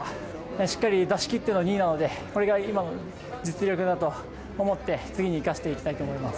しっかり出しきっての２位なので、これが今の実力だと思って、次に生かしていきたいと思います。